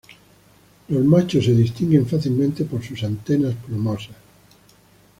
Los machos se distinguen fácilmente por sus antenas plumosas.